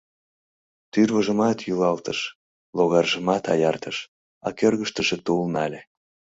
Тӱрвыжымат йӱлалтыш, логаржымат аяртыш, а кӧргыштыжӧ тул нале.